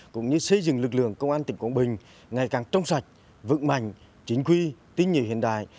cũng như xây dựng lực lượng công an tỉnh quảng bình ngày càng trong sạch vững mạnh chính quy tinh nhiệm hiện đại